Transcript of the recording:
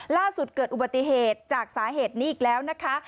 เกิดอุบัติเหตุจากสาเหตุนี้อีกแล้วนะคะ